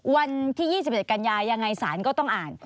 วันที่๒๑กันยายังไงศาลก็ต้องอ่าน